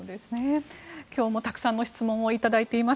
今日もたくさんの質問を頂いています。